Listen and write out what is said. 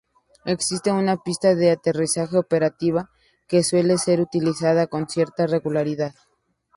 Existe una pista de aterrizaje operativa que suele ser utilizada con cierta regularidad.